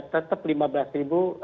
tetap lima belas ribu